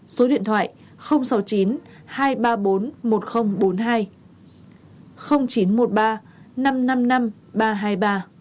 số điện thoại sáu mươi chín hai trăm ba mươi bốn một nghìn bốn mươi hai